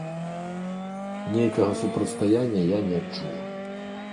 Нейкага супрацьстаяння я не адчула.